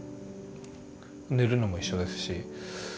寝るのも一緒ですし。